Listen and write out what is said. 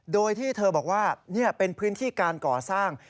โดยที่เธอบอกว่านี่เป็นพื้นที่การก่อสร้าง